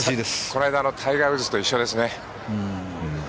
この間のタイガー・ウッズと一緒ですね。